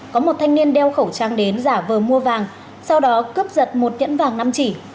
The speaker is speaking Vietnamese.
có một thanh niên đeo khẩu trang đến giả vờ mua vàng sau đó cướp giật một nhẫn vàng năm chỉ